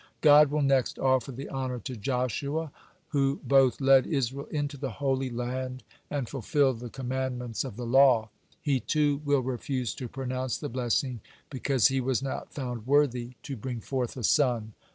God will next offer the honor to Joshua, who both led Israel into the Holy Land, and fulfilled the commandments of the law. He, too, will refuse to pronounce the blessing, because he was not found worthy to bring forth a son.